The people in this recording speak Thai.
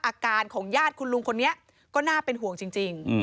อาการของญาติคุณลุงคนนี้ก็น่าเป็นห่วงจริง